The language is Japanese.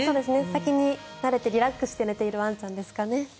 先に慣れてリラックスして寝ているワンちゃんですかね。